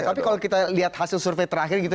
tapi kalau kita lihat hasil survei terakhir gitu